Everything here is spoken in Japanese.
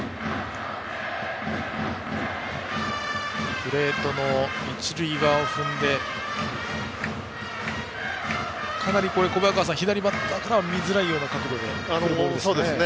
プレートの一塁側を踏んでかなり左バッターからは見づらい角度で来るボールですね。